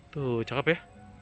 tuh cakep ya